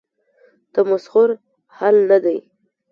تمسخر حل نه دی.